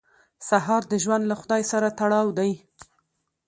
سهار د ژوند له خدای سره تړاو دی.